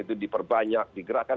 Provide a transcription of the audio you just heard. itu diperbanyak digerakkan